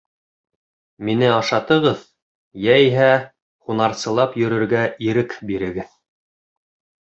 Мине ашатығыҙ йәиһә һунарсылап йөрөргә ирек бирегеҙ.